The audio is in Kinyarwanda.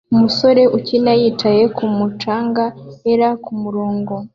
Umusore ukina yicaye kumu canga er kumurongo